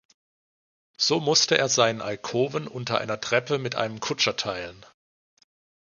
So musste er seinen Alkoven unter einer Treppe mit einem Kutscher teilen.